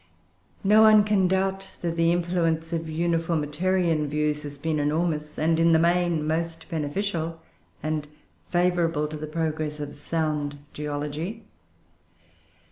No one can doubt that the influence of uniformitarian views has been enormous, and, in the main, most beneficial and favourable to the progress of sound geology.